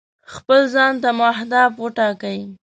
خپل ځان ته مو اهداف ټاکئ.